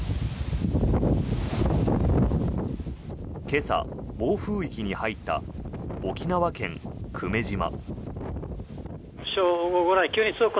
今朝、暴風域に入った沖縄県・久米島。